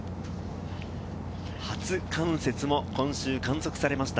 初冠雪も今週、観測されました。